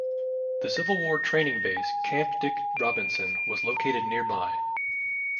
The Civil War training base Camp Dick Robinson was located nearby.